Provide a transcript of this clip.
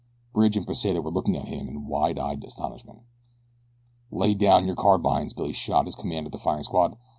Bridge and Pesita were looking at him in wide eyed astonishment. "Lay down your carbines!" Billy shot his command at the firing squad.